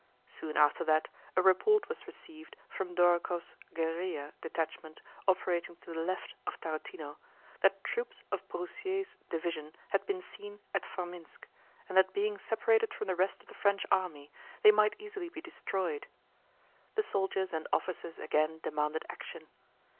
Soon after that a report was received from Dórokhov's guerrilla detachment operating to the left of Tarútino that troops of Broussier's division had been seen at Formínsk and that being separated from the rest of the French army they might easily be destroyed. The soldiers and officers again demanded action.